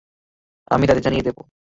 আমি তাদের জানিয়ে দেব।